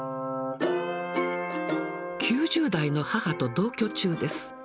９０代の母と同居中です。